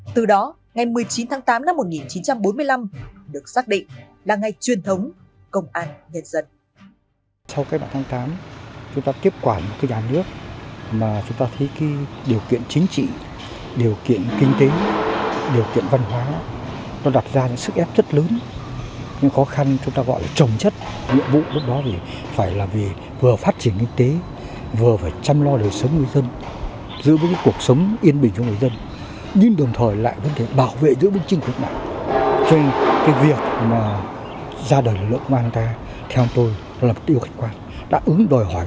từ đó ngày một mươi chín tháng tám năm một nghìn chín trăm bốn mươi năm được xác định là ngày truyền thống công an nhân dân